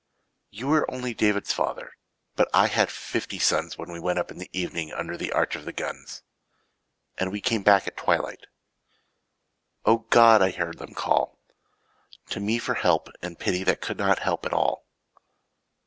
You were, only David's father, But I had fifty sons When we went up in the evening Under the arch of the guns, And we came back at twilight — O God ! I heard them call To me for help and pity That could not help at all.